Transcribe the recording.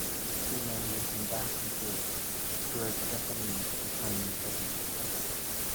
Two men walking back and forth through a japanese or chinese shopping center.